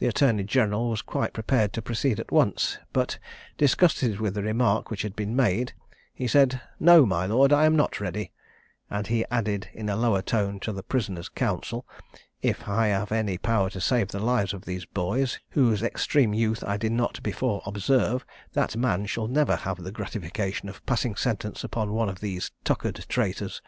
The attorney general was quite prepared to proceed at once; but, disgusted with the remark which had been made, he said, "No, my lord, I am not ready;" and he added in a lower tone to the prisoners' counsel, "If I have any power to save the lives of these boys, whose extreme youth I did not before observe, that man shall never have the gratification of passing sentence upon one of these tuckered traitors."